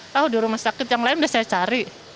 tahu di rumah sakit yang lain sudah saya cari